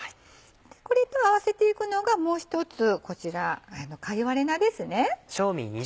これと合わせていくのがもう一つこちら貝割れ菜ですね。